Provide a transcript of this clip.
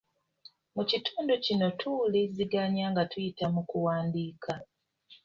Mu kitundu kino tuwuliziganya nga tuyita mu kuwandiika.